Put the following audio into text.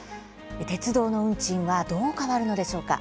鉄道の運賃はどう変わるのでしょうか。